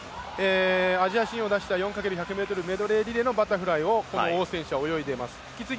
アジア新を出した４×１００ｍメドレーリレーのバタフライをこの王選手は泳いでいます。